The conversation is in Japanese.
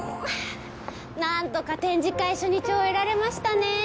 なんとか展示会初日終えられましたね